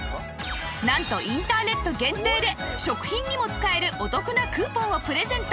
なんとインターネット限定で食品にも使えるお得なクーポンをプレゼント